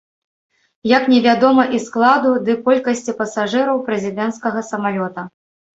Як невядома і складу ды колькасці пасажыраў прэзідэнцкага самалёта.